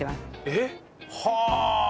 えっ？はあ！